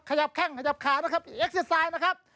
ขยับแข้งขยับขานะครับเอ็กซีไซด์นะครับ